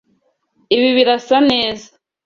Ibi birasa neza.